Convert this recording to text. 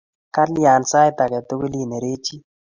Kaine sait age tugul inerechi?